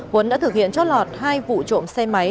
huấn đã thực hiện cho lọt hai vụ trộm xe máy